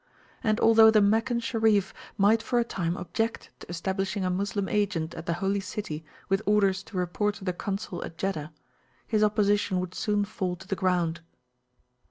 And although the Meccan Sharif might for a time object to establishing a Moslem agent at the Holy City with orders to report to the Consul at Jeddah, his opposition would soon fall to the ground.